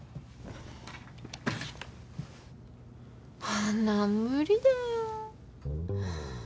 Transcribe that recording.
あんなん無理だよ。